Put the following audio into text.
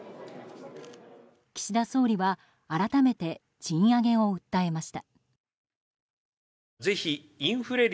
岸田総理は改めて賃上げを訴えました。